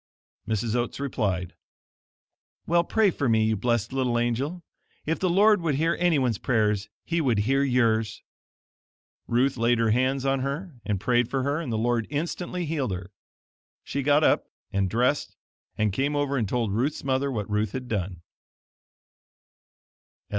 Mrs. Oats replied, "Well, pray for me, you blessed little angel; if the Lord would hear anyone's prayers, he would hear yours." Ruth laid her hands on her and prayed for her and the Lord instantly healed her. She got up and dressed and came over and told Ruth's mother what Ruth had done.